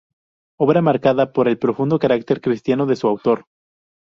Obra marcada por el profundo carácter cristiano de su autor.